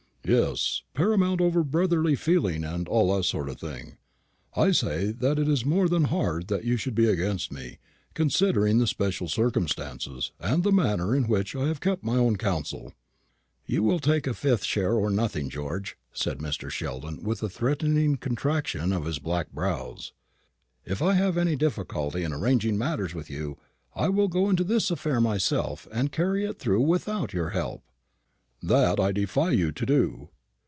"Yes, paramount over brotherly feeling and all that sort of thing. I say that it is more than hard that you should be against me, considering the special circumstances and the manner in which I have kept my own counsel " "You will take a fifth share, or nothing, George," said Mr. Sheldon, with a threatening contraction of his black brows. "If I have any difficulty in arranging matters with you, I will go into this affair myself, and carry it through without your help." "That I defy you to do."